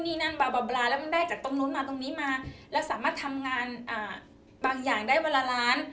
นี่นั่นเบาลาแล้วมันได้จากตรงนู้นมาตรงนี้มาแล้วสามารถทำงานบางอย่างได้วันละล้าน